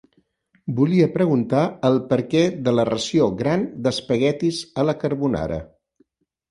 Volia preguntar el perquè de la ració gran d'espaguetis a la carbonara.